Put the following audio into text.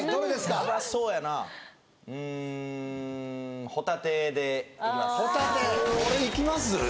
ヤバそうやなうんホタテでいきます